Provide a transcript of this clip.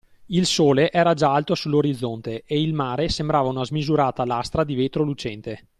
Il sole era già alto sull’orizzonte e il mare sembrava una smisurata lastra di vetro lucente.